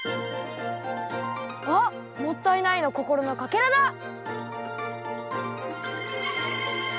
あっ「もったいない」のこころのかけらだ！